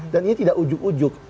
dan ini tidak ujug ujug